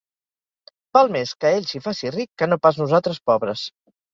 Val més que ell s'hi faci ric que no pas nosaltres pobres.